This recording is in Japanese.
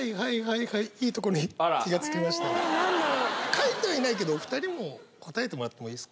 書いてはいないけどお二人も答えてもらってもいいですか？